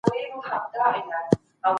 که ماشین توري ورته ونه ویني نو نښه لګوي.